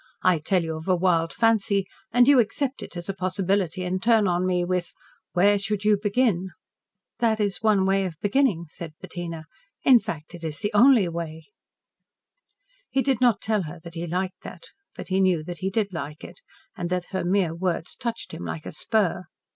I tell you of a wild fancy, and you accept it as a possibility and turn on me with, 'Where should you begin?'" "That is one way of beginning," said Bettina. "In fact, it is the only way." He did not tell her that he liked that, but he knew that he did like it and that her mere words touched him like a spur.